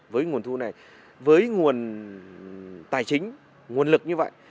với nguồn thu này với nguồn tài chính nguồn lực như vậy